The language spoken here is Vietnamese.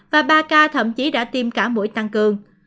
và ba ca thậm chí đã tiêm cả mũi tăng cường